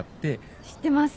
知ってます。